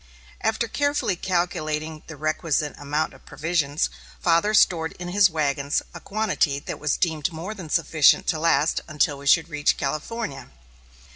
After carefully calculating the requisite amount of provisions, father stored in his wagons a quantity that was deemed more than sufficient to last until we should reach California.